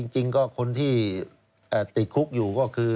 จริงก็คนที่ติดคุกอยู่ก็คือ